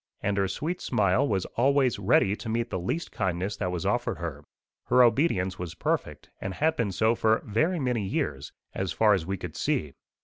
And her sweet smile was always ready to meet the least kindness that was offered her. Her obedience was perfect, and had been so for very many years, as far as we could see.